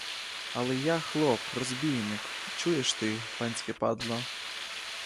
Але я, хлоп, розбійник, чуєш ти, панське падло?